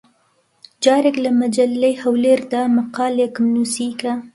جارێک لە مەجەللەی هەولێر دا مەقالێکم نووسی کە: